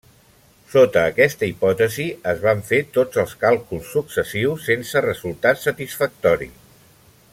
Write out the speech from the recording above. Sota aquesta hipòtesi, es van fer tots els càlculs successius, sense resultat satisfactori.